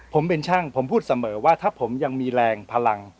ผมเป็นช่างผมพูดเสมอว่าถ้าผมยังมีแรงพลัง